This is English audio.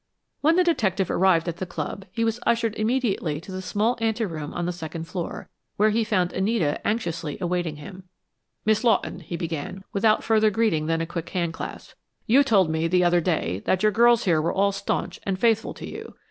When the detective arrived at the club, he was ushered immediately to the small ante room on the second floor, where he found Anita anxiously awaiting him. "Miss Lawton," he began, without further greeting than a quick handclasp, "you told me, the other day, that your girls here were all staunch and faithful to you.